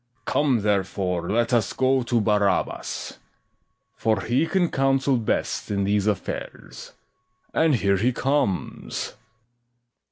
SECOND JEW. Come, therefore, let us go to Barabas; For he can counsel best in these affairs: And here he comes. BARABAS.